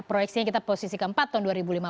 proyeksinya kita posisi keempat tahun dua ribu lima belas